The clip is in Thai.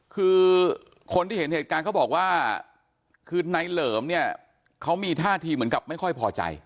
คือคนที่เห็นเหตุการณ์เขาบอกว่าคือในเหลิมเนี่ยเขามีท่าทีเหมือนกับไม่ค่อยพอใจ